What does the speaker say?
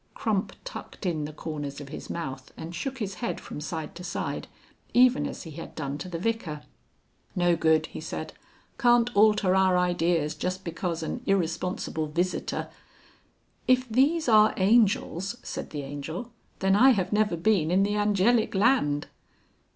Crump tucked in the corners of his mouth and shook his head from side to side even as he had done to the Vicar. "No good," he said, "can't alter our ideas just because an irresponsible visitor...." "If these are angels," said the Angel, "then I have never been in the Angelic Land."